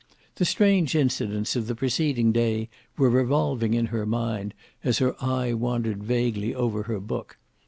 The strange incidents of the preceding day were revolving in her mind, as her eye wandered vaguely over her book.